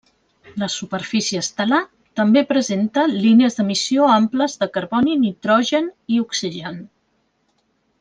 La superfície estel·lar també presenta línies d'emissió amples de carboni, nitrogen i oxigen.